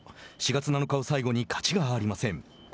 ４月７日を最後に勝ちがありません。